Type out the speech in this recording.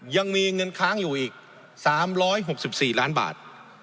ยังมีเงินค้างอยู่อีก๓๖๔ล้านบาท